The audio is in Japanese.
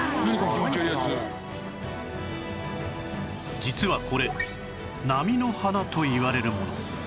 実はこれ「波の花」といわれるもの